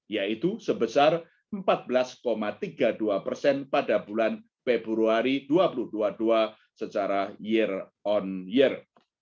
yaitu sebesar empat belas tiga puluh dua persen pada bulan februari dua ribu dua puluh dua secara year on year